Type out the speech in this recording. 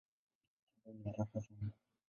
Mchezo ni haraka sana.